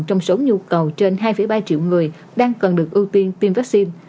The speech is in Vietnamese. trong số nhu cầu trên hai ba triệu người đang cần được ưu tiên tiêm vaccine